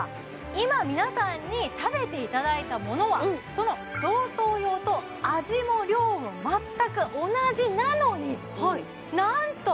今皆さんに食べていただいたものは贈答用と味も量も全く同じなのになんと！